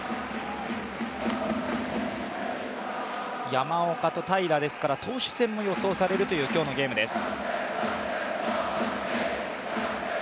山岡と平良ですから投手戦も予想されるという今日のゲームです。